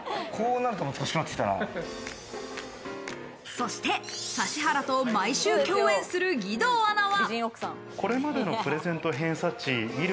そして、指原と毎週共演する義堂アナは。